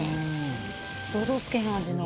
想像つけへん味の。